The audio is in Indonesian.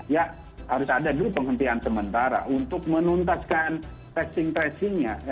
ya harus ada dulu penghentian sementara untuk menuntaskan testing tracingnya